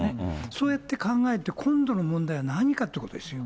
そうやって考えると、今度の問題は何かということですよ。